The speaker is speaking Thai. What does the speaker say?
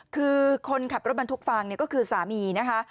คือคนขับรถบรรทุกฝั่งเนี่ยก็คือสามีนะคะ